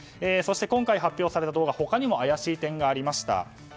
そして発表された動画他にも怪しい点がありました。